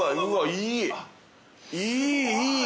いいいい！